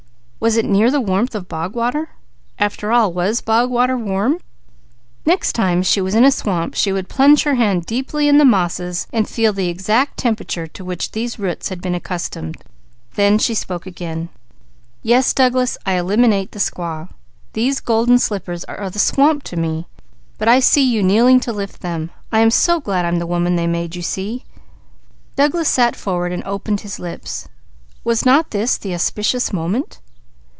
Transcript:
Was it near the warmth of bog water? After all, was bog water warm? Next time she was in a swamp she would plunge her hand deeply in the mosses to feel the exact temperature to which those roots had been accustomed. Then she spoke again. "Yes, I eliminate the squaw," she said. "These golden slippers are the swamp to me, but I see you kneeling to lift them. I am so glad I'm the woman they made you see." Douglas sat forward and opened his lips. Was not this the auspicious moment?